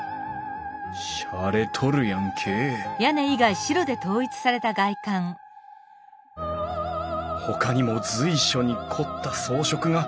しゃれとるやんけえほかにも随所に凝った装飾が。